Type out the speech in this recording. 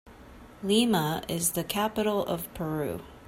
Lima is the capital of Peru.